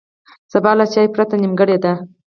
سبا له چای پرته نیمګړی دی.